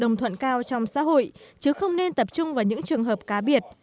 đồng thuận cao trong xã hội chứ không nên tập trung vào những trường hợp cá biệt